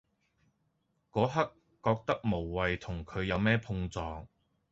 嗰刻覺得無謂同佢有咩碰撞